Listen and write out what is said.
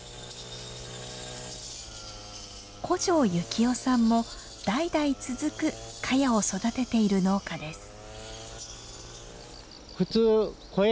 古城幸雄さんも代々続くカヤを育てている農家です。